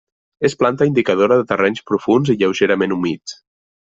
És planta indicadora de terrenys profunds i lleugerament humits.